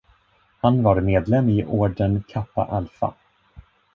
Han var medlem i orden Kappa Alpha.